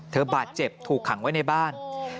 บาดเจ็บถูกขังไว้ในบ้าน